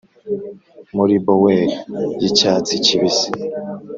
muri bower yicyatsi kibisi;